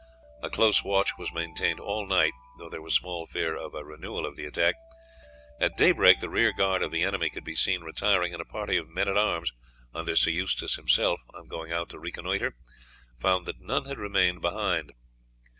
A close watch was maintained all night, though there was small fear of a renewal of the attack. At daybreak the rear guard of the enemy could be seen retiring, and a party of men at arms, under Sir Eustace himself, on going out to reconnoitre, found that none had remained behind.